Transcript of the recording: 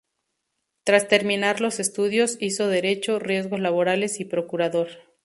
Tras terminar los estudios, hizo Derecho, Riesgos Laborales y Procurador.